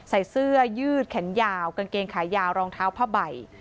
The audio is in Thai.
ใส่เสื้อยืดแขนยาวกางเกงขายาวรองเท้าผ้าใบ